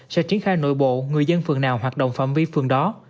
sẽ triển khai nội bộ người dân phường nào hoạt động phạm vi phường đó